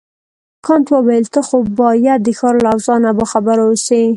کانت وویل ته خو باید د ښار له اوضاع نه باخبره اوسې.